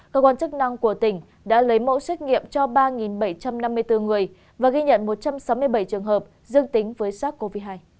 cơ quan chức năng của tỉnh đã lấy mẫu xét nghiệm cho ba bảy trăm năm mươi bốn người và ghi nhận một trăm sáu mươi bảy trường hợp dương tính với sars cov hai